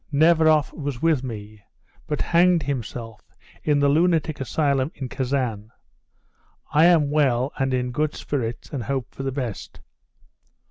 Neveroff was with me, but hanged himself in the lunatic asylum in Kasan. I am well and in good spirits and hope for the best."